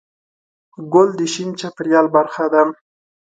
ګل د شین چاپېریال برخه ده.